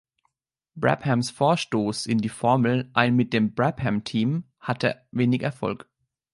Brabhams Vorstoß in die Formel ein mit dem Brabham-Team hatte wenig Erfolg.